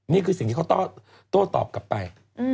นี่คือสิ่งที่เขาโต้ตอบกลับไป